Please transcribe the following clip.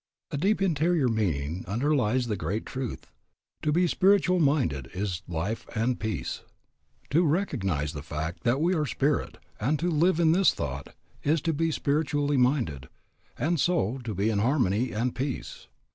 A deep interior meaning underlies the great truth, "To be spiritually minded is life and peace." To recognize the fact that we are spirit, and to live in this thought, is to be spiritually minded, and so to be in harmony and peace.